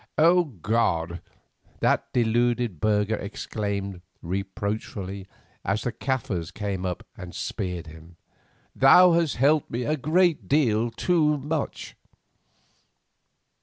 "O God!" that deluded burgher exclaimed, reproachfully, as the Kaffirs came up and speared him, "Thou hast helped a great deal too much!"